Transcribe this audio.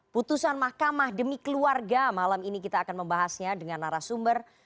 putusan mahkamah demi keluarga malam ini kita akan membahasnya dengan narasumber